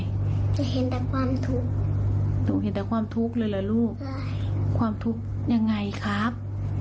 จะเห็นแต่ความทุกข์หนูเห็นแต่ความทุกข์เลยเหรอลูกความทุกข์ยังไงครับ